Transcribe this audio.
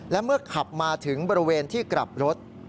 และเมื่อขับมาถึงบริเวณที่กลับรถ